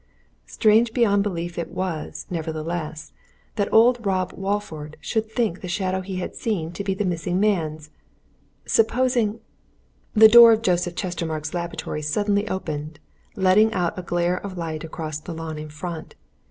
Strange beyond belief it was, nevertheless, that old Rob Walford should think the shadow he had seen to be the missing man's! Supposing The door of Joseph Chestermarke's laboratory suddenly opened, letting out a glare of light across the lawn in front.